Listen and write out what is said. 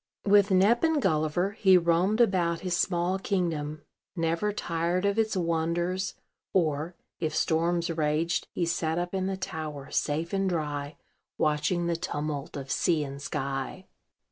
With Nep and Gulliver he roamed about his small kingdom, never tired of its wonders; or, if storms raged, he sat up in the tower, safe and dry, watching the tumult of sea and sky.